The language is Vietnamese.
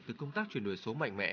từ công tác chuyển đổi số mạnh mẽ